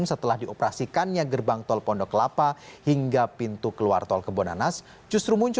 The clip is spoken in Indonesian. setelah dioperasikannya gerbang tol pondok kelapa hingga pintu keluar tol kebonanas justru muncul